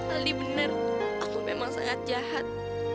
aldi bener aku memang sangat jahat